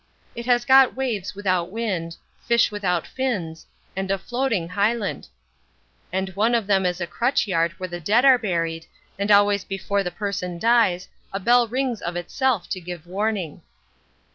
It has got waves without wind, fish without fins, and a floating hyland; and one of them is a crutch yard, where the dead are buried; and always before the person dies, a bell rings of itself to give warning.